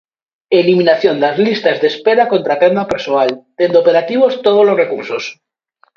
Eliminación das listas de espera contratando a persoal, tendo operativos todos os recursos.